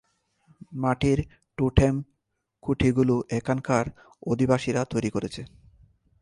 মাটির টোটেম খুঁটিগুলো এখানকার অধিবাসীরা তৈরি করেছে।